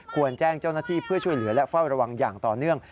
แจ้งเจ้าหน้าที่เพื่อช่วยเหลือและเฝ้าระวังอย่างต่อเนื่อง